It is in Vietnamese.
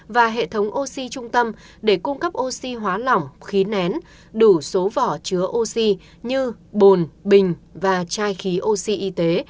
và hệ thống oxy trung tâm để cung cấp oxy hóa lỏng khí nén đủ số vỏ chứa oxy như bồn bình và chai khí oxy y tế